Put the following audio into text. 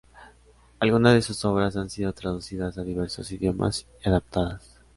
Algunas de sus obras han sido traducidas a diversos idiomas y adaptadas.